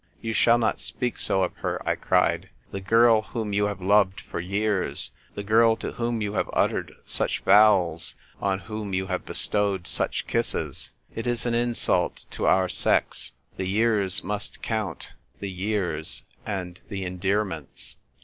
" You shall not speak so of her !" I cried ;" the girl whom you have loved for years — the girl to whom you have uttered such vows, on whom you have bestowed such kisses. It is an insult to our sex. The years must count — the years and the endearments."